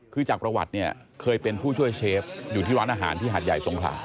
คือจากประวัติเนี่ยเคยเป็นผู้ช่วยเชฟอยู่ที่ร้านอาหารที่หาดใหญ่สงขลา